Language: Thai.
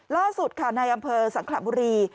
ล่าสุดค่ะในอำเภอสังขระบุรี